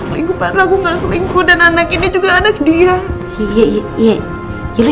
selingkuh padahal aku gak selingkuh dan anak ini juga anak dia iya iya iya lu